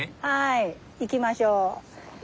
はい行きましょう。